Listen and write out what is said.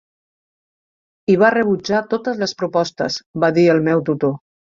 "I va rebutjar totes les propostes", va dir el meu tutor.